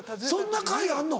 そんな回あるの？